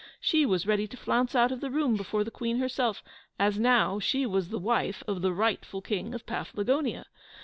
She was ready to flounce out of the room before the Queen herself, as now she was the wife of the rightful King of Paflagonia!